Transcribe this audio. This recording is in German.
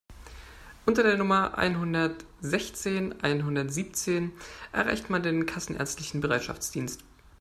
Unter der Nummer einhundertsechzehn einhundertsiebzehn erreicht man den kassenärztlichen Bereitschaftsdienst.